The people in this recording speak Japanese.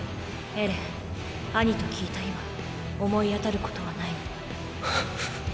エレンアニと聞いた今思い当たることはないの？